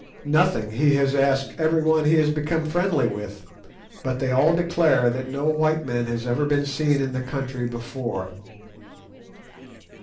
"Nothing; he has asked everyone he has become friendly with, but they all declare that no white man has ever been seen in the country before."